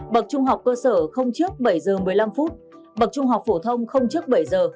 bậc trung học cơ sở không trước bảy h một mươi năm bậc trung học phổ thông không trước bảy h